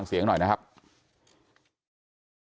ความปลอดภัยของนายอภิรักษ์และครอบครัวด้วยซ้ำ